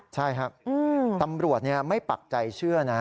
ใช่ครับตำรวจไม่ปักใจเชื่อนะ